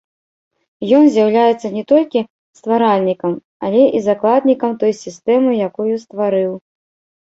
Ён з'яўляецца не толькі стваральнікам, але і закладнікам той сістэмы, якую стварыў.